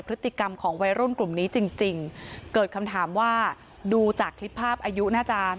พฤติกรรมของวัยรุ่นกลุ่มนี้จริงจริงเกิดคำถามว่าดูจากคลิปภาพอายุน่าจะ